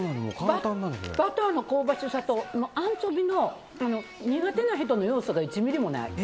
バターの香ばしさとアンチョビの苦手な人の要素が１ミリもない。